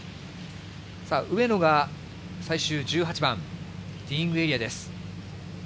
上野が最終１８番、ティーイングエリアです。